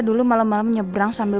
sampai jumpa lagi